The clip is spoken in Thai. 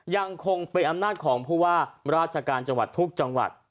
ยังคงเป็นอำนาจของผู้ว่าราชการจังหวัดทุกจังหวัด